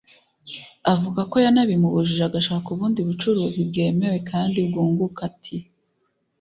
Avuga ko yanabimubujije agashaka ubundi bucuruzi bwemewe kandi bwunguka ati